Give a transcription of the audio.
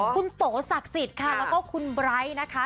คุณโตศักดิ์สิทธิ์ค่ะแล้วก็คุณไบร์ทนะคะ